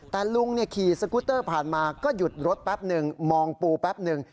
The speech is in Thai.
แต่ลุงขี่สกุตเตอร์ผ่านมาก็หยุดรถแป๊บหนึ่งมองปูแป๊บหนึ่ง